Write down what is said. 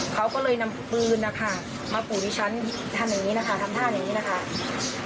เขาก็เลยนำปืนนะคะมาปู่ดิฉันทำอย่างนี้นะคะทำท่าอย่างนี้นะคะ